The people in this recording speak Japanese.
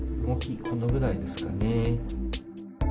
動きこのぐらいですかね。